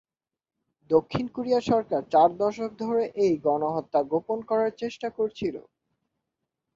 দক্ষিণ কোরিয়া সরকার চার দশক ধরে এই গণহত্যা গোপন করার চেষ্টা করেছিল।